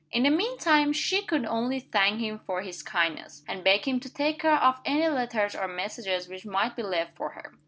In the mean time, she could only thank him for his kindness, and beg him to take care of any letters or messages which might be left for her.